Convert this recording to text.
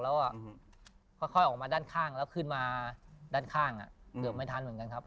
แล้วค่อยออกมาด้านข้างแล้วขึ้นมาด้านข้างเกือบไม่ทันเหมือนกันครับ